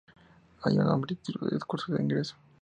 Año, nombre y título del discurso de ingreso